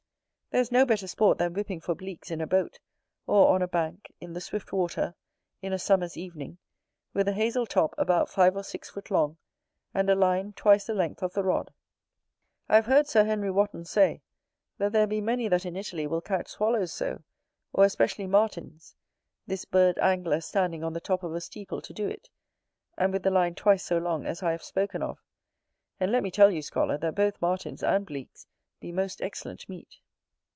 There is no better sport than whipping for Bleaks in a boat, or on a bank, in the swift water, in a summer's evening, with a hazel top about five or six foot long, and a line twice the length of the rod. I have heard Sir Henry Wotton say, that there be many that in Italy will catch swallows so, or especially martins; this bird angler standing on the top of a steeple to do it, and with the line twice so long as I have spoken of. And let me tell you, scholar, that both Martins and Bleaks be most excellent meat.